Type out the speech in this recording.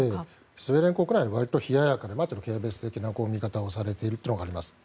スウェーデン国内は割と冷ややかで軽蔑的な見方をされているというのがあります。